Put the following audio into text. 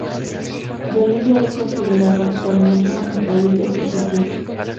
Bolivia es considerado actualmente como País de Asociación.